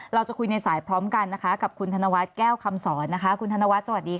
เราจะคุยในสายพร้อมกันนะคะกับคุณธนวัฒน์แก้วคำสอนนะคะคุณธนวัฒน์สวัสดีค่ะ